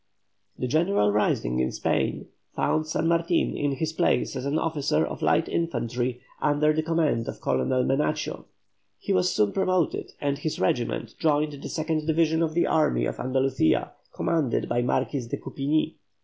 The general rising in Spain found San Martin in his place as an officer of light infantry under the command of Colonel Menacho. He was soon promoted, and his regiment joined the second division of the army of Andalucia, commanded by the Marquis of Coupigni.